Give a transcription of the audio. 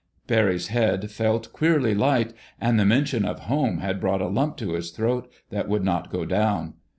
Barry's head felt queerly light, and the mention of "home" had brought a lump to his throat that would not go down.